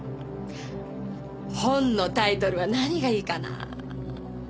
本のタイトルは何がいいかな。